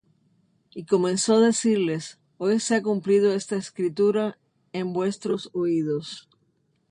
Y comenzó á decirles: Hoy se ha cumplido esta Escritura en vuestros oídos.